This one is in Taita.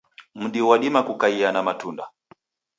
Mdi ghwadima kukaia na matunda.